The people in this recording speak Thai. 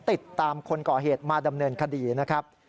ติดตามคนก่อเหตุมาดำเนินคดีนะครับ